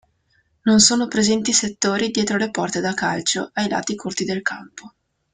Non sono presenti settori dietro le porte da calcio, ai lati corti del campo.